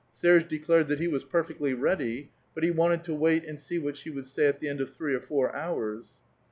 Serge declared that he was perfectly ready, but he wanted io wait and see what she would say at the end of three or four hours.